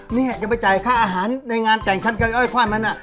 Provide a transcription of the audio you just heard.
เนี่ยยังไปจ่ายค่าอาหารในงานแก่งฉันกับนอยควันมันน่ะ